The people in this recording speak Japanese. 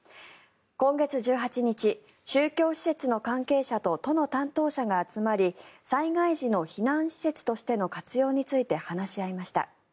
今月１８日、宗教施設の関係者と都の担当者が集まり災害時の避難施設としての活用について話し合いました。